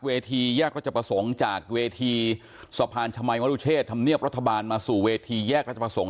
เวทีแยกรัชประสงค์จากเวทีสะพานชมัยมรุเชษธรรมเนียบรัฐบาลมาสู่เวทีแยกราชประสงค์